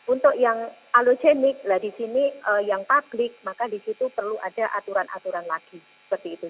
untuk yang alogenik lah di sini yang publik maka disitu perlu ada aturan aturan lagi seperti itu